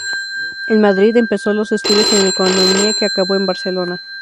En Madrid empezó los estudios en Economía, que acabó en Barcelona.